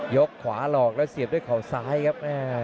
ขวาหลอกแล้วเสียบด้วยเขาซ้ายครับ